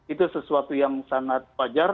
itu sesuatu yang sangat wajar